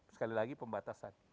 sekali lagi pembatasan